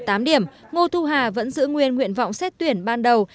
với hai mươi chín tám điểm ngô thu hà vẫn giữ nguyên nguyện vọng xét tuyển ban đầu